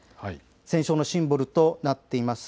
戦勝のシンボルとなっています